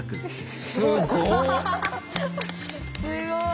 すごい。